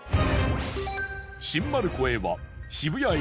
新丸子へは渋谷駅